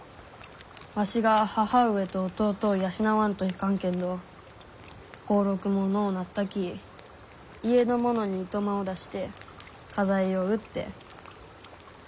わしが母上と弟を養わんといかんけんど俸禄ものうなったき家の者に暇を出して家財を売って。